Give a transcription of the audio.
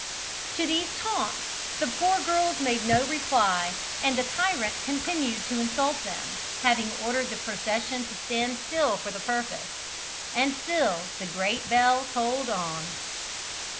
To these taunts the poor girls made no reply, and the tyrant continued to insult them, having ordered the procession to stand still for the purpose. And still the great bell tolled on.